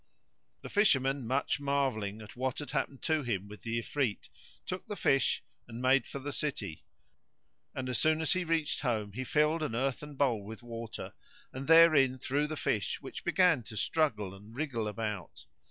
The Fisherman, much marvelling at what had happened to him with the Ifrit, took the fish and made for the city; and as soon as he reached home he filled an earthen bowl with water and therein threw the fish which began to struggle and wriggle about.